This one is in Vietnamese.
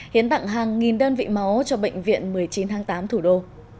hiến tặng hàng nghìn đơn vị máu cho bệnh viện một mươi chín tháng tám thủ đô